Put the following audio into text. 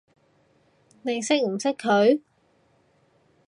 你識唔識佢？